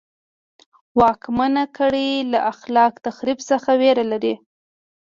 واکمنه کړۍ له خلاق تخریب څخه وېره لري.